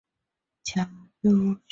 雕纹鱿鱼是一属已灭绝的头足类。